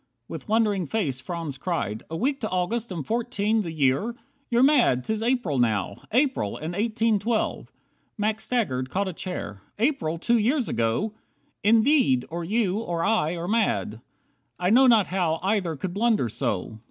With wondering face Franz cried, "A week to August, and fourteen The year! You're mad, 'tis April now. April, and eighteen twelve." Max staggered, caught A chair, "April two years ago! Indeed, Or you, or I, are mad. I know not how Either could blunder so."